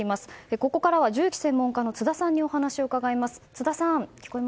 ここからは銃器専門家の津田さんにお話を伺います。